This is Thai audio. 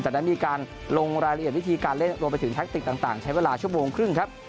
ได้มีการลงรายละเอียดวิธีการเล่นรวมไปถึงแท็กติกต่างใช้เวลาชั่วโมงครึ่งครับ